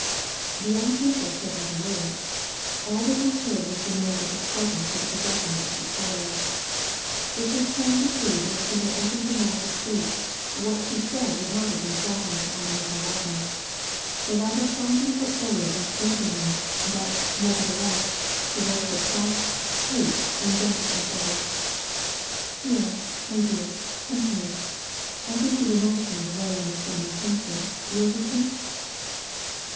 ^ The young princess said not a word. All that was heard wa.s the noi.se of the struggle for the possession of the portfolio. It was plain to see that if she had opened her mouth to speak, what she said would not have been flattering for Anna Mikhai lovna, The latter clung to the portfolio unflinchingly, but, nevertheless, her voice was as soft, sweet, and gentle as ever. 100 t^AR AND PBACe. " Pierre, my dear, come here. I think he will not be in the way in this family council, will he prince